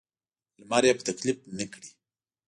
لمر یې په تکلیف نه کړي.